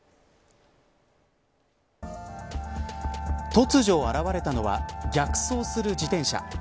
突如、現れたのは逆走する自転車。